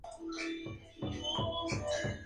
Posteriormente se retiró.